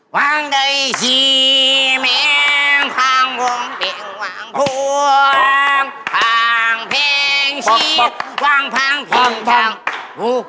ฮูฮูฮูฮูปังชี้ช้ามาแพงชี้ปังปังฮู